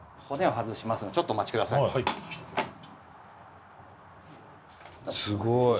骨を外しますのでちょっとお待ち下さい。